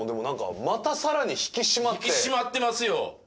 引き締まってますよ。